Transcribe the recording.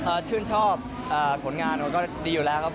อ๋อคือชื่นชอบผลงานก็ดีอยู่แล้วครับผม